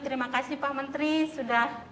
terima kasih pak menteri sudah